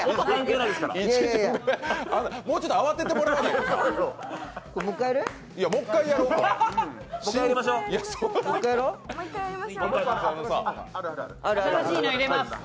もうちょっと慌ててもらえないですか？